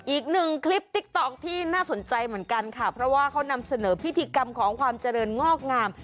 อีกหนึ่งคลิปติ๊กต๊อกที่น่าสนใจเหมือนกันค่ะเพราะว่าเขานำเสนอพิธีกรรมของความเจริญงอกงาม